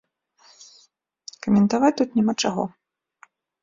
Каментаваць тут няма, чаго.